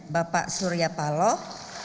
bapak surya paloh